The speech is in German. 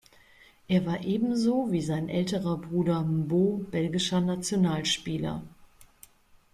Er war ebenso wie sein älterer Bruder Mbo belgischer Nationalspieler.